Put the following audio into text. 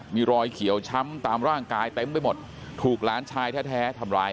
มีรอยเขียวช้ำตามร่างกายเต็มไปหมดถูกหลานชายแท้ทำร้าย